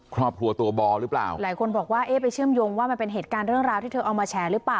ครอบครัวตัวบอลหรือเปล่าหลายคนบอกว่าเอ๊ะไปเชื่อมโยงว่ามันเป็นเหตุการณ์เรื่องราวที่เธอเอามาแฉหรือเปล่า